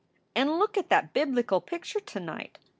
"And look at that biblical picture to night!